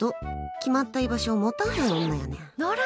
決まった居場所を持たへん女やねん。